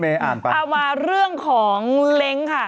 เอามาเรื่องของเล้งค่ะ